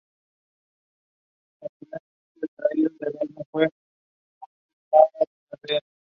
Con los años, los discos de acetato fueron reemplazando a las orquestas.